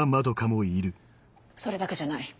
それだけじゃない。